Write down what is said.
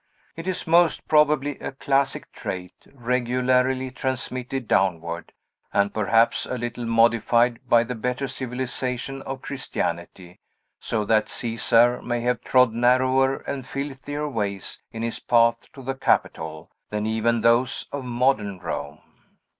It is most probably a classic trait, regularly transmitted downward, and perhaps a little modified by the better civilization of Christianity; so that Caesar may have trod narrower and filthier ways in his path to the Capitol, than even those of modern Rome.